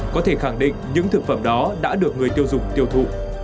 có thể khẳng định những thực phẩm đó đã được người tiêu dùng tiêu thụ